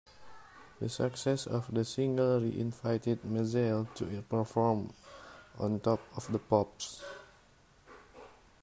The success of the single re-invited Mazelle to perform on Top of the Pops.